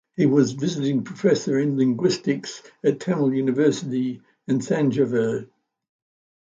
He was visiting professor in linguistics at Tamil University in Thanjavur.